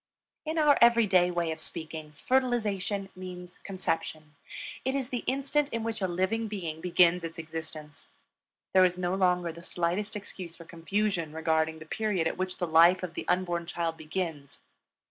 In our every day way of speaking, fertilization means conception; it is the instant in which a living being begins its existence. There is no longer the slightest excuse for confusion regarding the period at which the life of the unborn child begins.